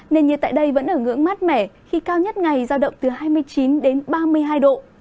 nền nhiệt tại đây vẫn ở ngưỡng mát mẻ khi cao nhất ngày giao động từ hai mươi chín đến ba mươi hai độ